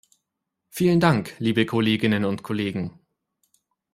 Vielen Dank, liebe Kolleginnen und Kollegen.